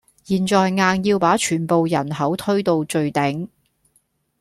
現在硬要把全部人口推到最頂